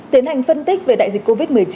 tiến hành phân tích về đại dịch covid một mươi chín